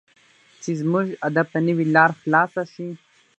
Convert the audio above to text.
چې زموږ ادب ته نوې لار خلاصه شي.